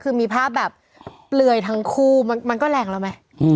คือมีภาพแบบเปลือยทั้งคู่มันก็แรงแล้วไหม